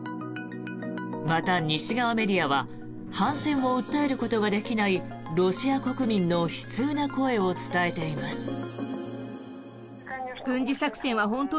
また、西側メディアは反戦を訴えることができないロシア国民の悲痛な声を伝えています。